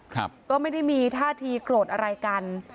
ครับก็ไม่ได้มีท่าทีโกรธอะไรกัน